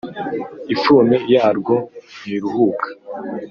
ifuni yarwo ntiruhuka